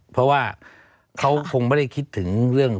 เพราะว่าเขาคงไม่ได้คิดถึงเรื่อง